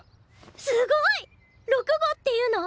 すごい！六号っていうの？